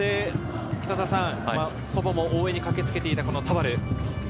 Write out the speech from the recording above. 祖母も応援に駆けつけていた田原。